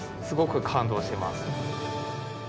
すごく感動しています。